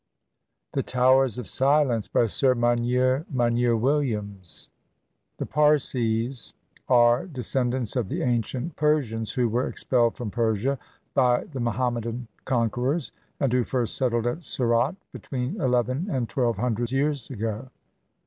THE TOWERS OF SILENCE BY SIR MONIER MONIER WILLIAMS The Parsis are descendants of the ancient Persians who were expelled from Persia by the Muhammadan con querors, and who first settled at Surat between eleven and twelve hundred years ago.